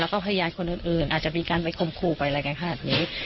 แล้วก็พยานคนอื่นอาจจะมีการไปคมขู่ไปอะไรกันขนาดนี้